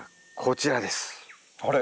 あれ？